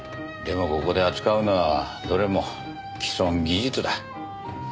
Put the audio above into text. でもここで扱うのはどれも既存技術だ。